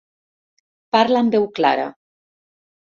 Parla amb veu clara.